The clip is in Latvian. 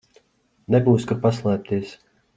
Nebūs kur paslēpties.